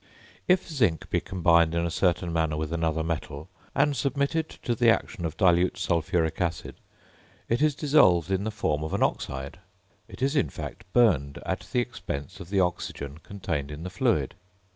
If zinc be combined in a certain manner with another metal, and submitted to the action of dilute sulphuric acid, it is dissolved in the form of an oxide; it is in fact burned at the expense of the oxygen contained in the fluid.